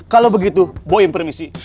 kalau begitu boyin permisi